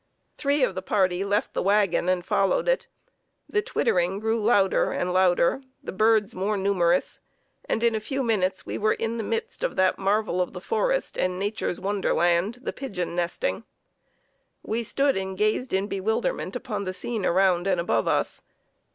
Three of the party left the wagon and followed it; the twittering grew louder and louder, the birds more numerous, and in a few minutes we were in the midst of that marvel of the forest and Nature's wonderland the pigeon nesting. We stood and gazed in bewilderment upon the scene around and above us.